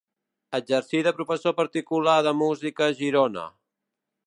Exercí de professor particular de música a Girona.